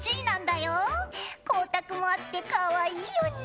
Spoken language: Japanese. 光沢もあってかわいいよね。